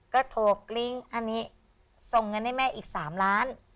ก็โทรกลิ้งอันนี้ส่งเงินให้แม่อีก๓ล้าน